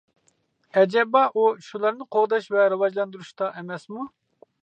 ئەجەبا ئۇ، شۇلارنى قوغداش ۋە راۋاجلاندۇرۇشتا ئەمەسمۇ؟ !